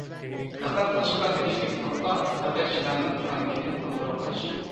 دىققەت قىلىشقا تېگىشلىك نۇقتا، كاتەكچىلەرنىڭ كەڭلىكىنى كونترول قىلىش.